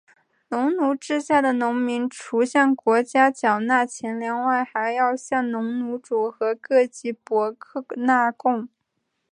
农奴制下的农民除向国家缴纳钱粮外还要向农奴主和各级伯克纳贡。